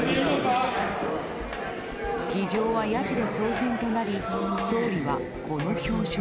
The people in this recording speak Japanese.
議場は、やじで騒然となり総理はこの表情。